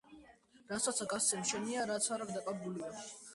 რასაცა გასცემ შენია რაც არა დაკარგულია.